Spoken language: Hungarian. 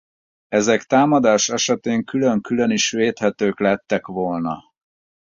Ezek támadás esetén külön-külön is védhetők lettek volna.